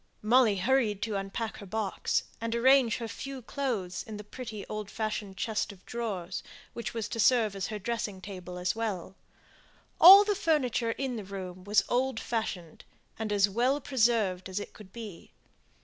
Molly hurried to unpack her box, and arrange her few clothes in the pretty old fashioned chest of drawers, which was to serve her as dressing table as well. All the furniture in the room was as old fashioned and as well preserved as it could be.